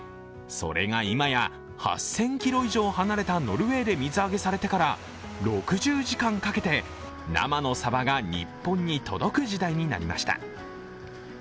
それが今や８０００ｋｍ以上離れたノルウェーで水揚げされてから、６０時間かけて生のサバが日本に届く時代になりました。